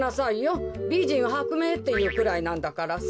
「びじんはくめい」っていうくらいなんだからさ。